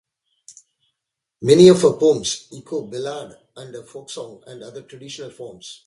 Many of her poems echo ballad and folksong and other traditional forms.